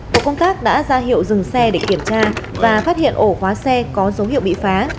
tổ công tác đã ra hiệu dừng xe để kiểm tra và phát hiện ổ khóa xe có dấu hiệu bị phá